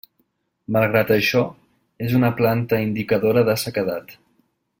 Malgrat això, és una planta indicadora de sequedat.